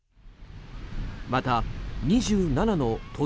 また、２７の都